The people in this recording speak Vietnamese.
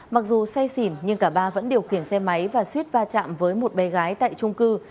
mặc dù say xỉn nhưng cả ba vẫn điều khiển xe máy và suýt va chạm với một bé gái tại trung cư